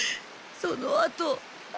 そのあと。